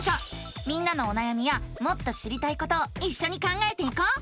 みんなのおなやみやもっと知りたいことをいっしょに考えていこう！